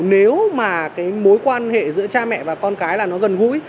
nếu mà cái mối quan hệ giữa cha mẹ và con cái là nó gần gũi